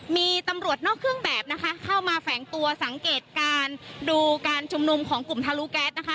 มีตำรวจนอกเครื่องแบบนะคะเข้ามาแฝงตัวสังเกตการดูการชุมนุมของกลุ่มทะลุแก๊สนะคะ